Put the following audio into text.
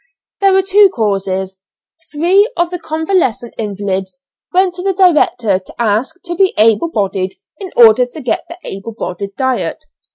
"There were two causes three of the convalescent invalids went to the director to ask to be able bodied in order to get the able bodied diet.